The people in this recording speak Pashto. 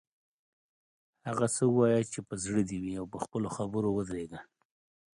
هغه څه ووایه چې په زړه دې وي او پر خپلو خبرو ودریږه.